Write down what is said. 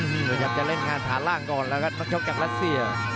คาริรอฟจะเล่นงานฐานล่างก่อนแล้วก็มาจบกับรัสเซีย